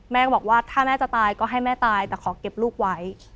แม่ก็บอกว่าถ้าแม่จะตายก็ให้แม่ตายแต่ขอเก็บลูกไว้